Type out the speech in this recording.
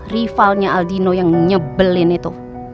rivalnya aldino yang nyebelin itu